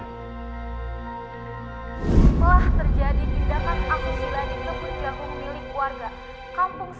telah terjadi tindakan angkusi